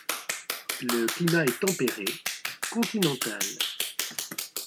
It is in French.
Le climat est tempéré continental.